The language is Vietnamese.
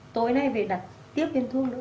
tối nay về đặt tiếp viên thuốc nữa